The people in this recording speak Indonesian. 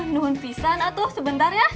nuhun pisah natu sebentar ya